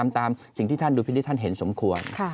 ตามสิ่งที่ท่านดูพินิษฐท่านเห็นสมควร